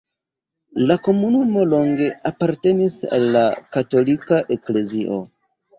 La komunumo longe apartenis al la katolika eklezio.